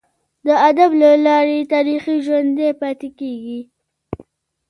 د ادب له لاري تاریخ ژوندي پاته کیږي.